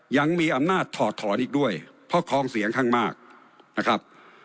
ยังมีอำนาจถอดถอนอีกด้วยเพราะคลองเสียงข้างมากนะครับ